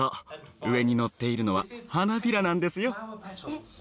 上にのっているのは花びらなんですよ。